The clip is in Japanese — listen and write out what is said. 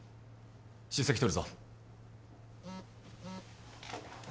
出席取るぞ。